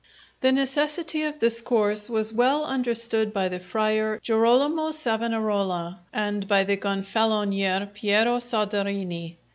The necessity of this course was well understood by the Friar Girolamo Savonarola, and by the Gonfalonier Piero Soderini.